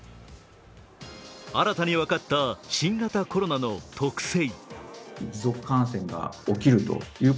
新たに分かった新型コロナの特製。